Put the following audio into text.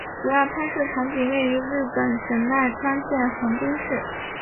主要拍摄场景位于日本神奈川县横滨市。